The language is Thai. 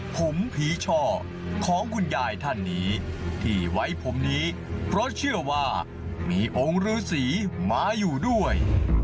ผมผีช่อของคุณยายท่านนี้ที่ไว้ผมนี้เพราะเชื่อว่ามีองค์ฤษีมาอยู่ด้วย